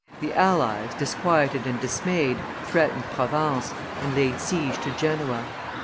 The allies, disquieted and dismayed, threatened Provence, and laid siege to Genoa.